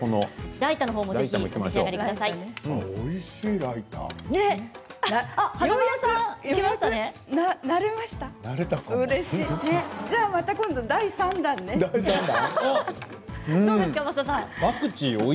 ライタもぜひお召し上がりください。